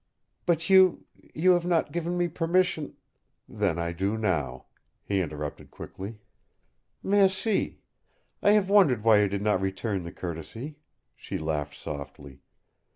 "But you you have not given me permission " "Then I do now," he interrupted quickly. "Merci! I have wondered why you did not return the courtesy," she laughed softly.